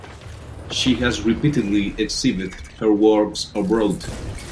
She has repeatedly exhibited her works abroad.